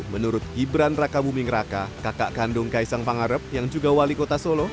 menurut gibran raka buming raka kakak kandung kaisang pangarep yang juga wali kota solo